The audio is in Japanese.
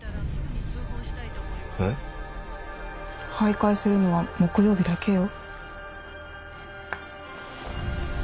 えっ？徘徊するのは木曜日だけよ。